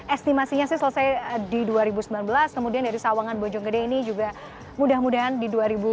estimasinya sih selesai di dua ribu sembilan belas kemudian dari sawangan bojonggede ini juga mudah mudahan di dua ribu dua puluh